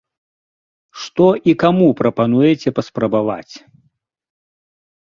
Што і каму прапануеце паспрабаваць?